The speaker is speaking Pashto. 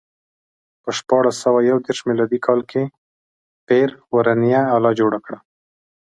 په شپاړس سوه یو دېرش میلادي کال کې پير ورنیه آله جوړه کړه.